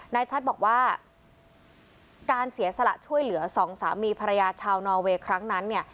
ชัดบอกว่าการเสียสละช่วยเหลือสองสามีภรรยาชาวนอเวย์ครั้งนั้นเนี่ย